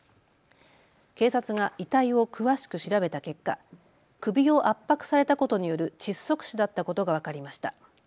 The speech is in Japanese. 警察が遺体を詳しく調べた結果、首を圧迫されたことによる窒息死だったことが分かりました。